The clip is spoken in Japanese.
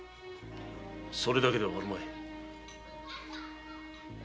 それだけではあるまい。